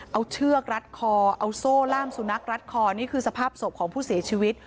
เอาเชือกรัดคอเอาโซ่ล่ามสุนัขรัดคอนี่คือสภาพศพของผู้เสียชีวิต